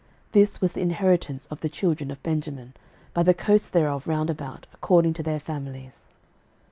This was the inheritance of the children of Benjamin, by the coasts thereof round about, according to their families.